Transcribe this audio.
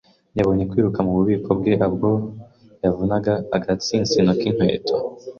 Yabonye kwiruka mububiko bwe ubwo yavunaga agatsinsino k'inkweto.